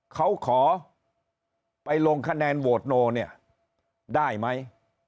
เขาขอไปลงคะแนนโหวตโนเนี่ยได้ไหม